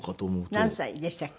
何歳でしたっけ？